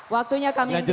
waktunya kami hentikan dulu